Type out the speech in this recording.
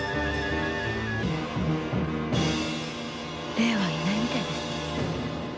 霊はいないみたいです。